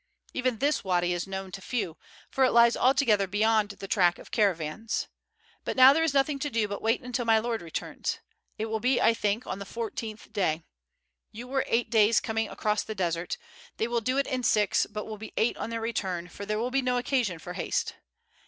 Even this wady is known to few, for it lies altogether beyond the track of caravans. But now there is nothing to do but to wait until my lord returns. It will be, I think, on the fourteenth day. You were eight days coming across the desert. They will do it in six but will be eight on their return, for there will be no occasion for haste.